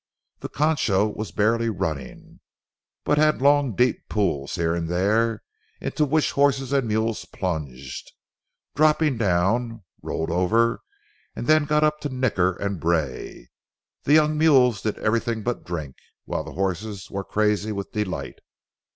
"The Concho was barely running, but had long, deep pools here and there, into which horses and mules plunged, dropped down, rolled over, and then got up to nicker and bray. The young mules did everything but drink, while the horses were crazy with delight.